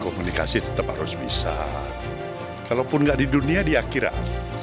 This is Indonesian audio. komunikasi tetap harus bisa kalaupun nggak di dunia di akhirat